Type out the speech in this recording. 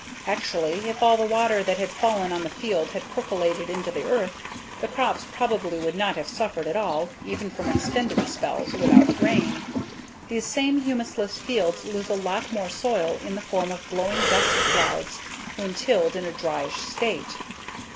Actually, if all the water that had fallen on the field had percolated into the earth, the crops probably would not have suffered at all even from extended spells without rain. These same humusless fields lose a lot more soil in the form of blowing dust clouds when tilled in a dryish state.